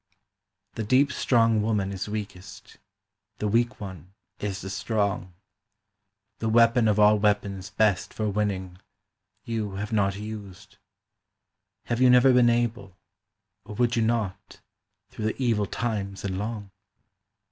The deep strong woman is weakest, the weak one is the strong; The weapon of all weapons best for winning, you have not used; Have you never been able, or would you not, through the evil times and long?